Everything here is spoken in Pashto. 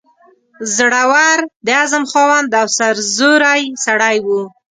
زړه ور، د عزم خاوند او سرزوری سړی وو.